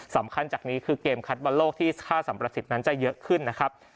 สำคัญจากนี้คือเกมคัดบอลโลกที่ท่าสัมประสิทธิ์นั้นจะเยอะขึ้นนะครับ